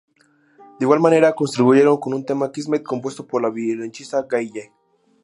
De igual manera, contribuyeron con un tema: ""Kismet"", compuesto por la violonchelista Gay-Yee.